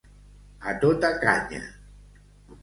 A tota canya.